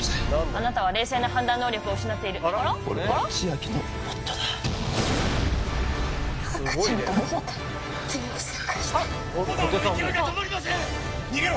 あなたは冷静な判断能力を失っている俺は千晶の夫だ赤ちゃんダメだった帝王切開して炎の勢いが止まりません逃げろ！